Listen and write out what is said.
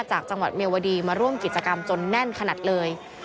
จากจังหวัดเมียวดีมาร่วมกิจกรรมจนแน่นขนาดเลย